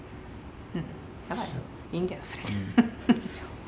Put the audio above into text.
だからいいんだよそれで。